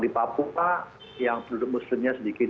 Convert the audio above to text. di papua yang penduduk muslimnya sedikit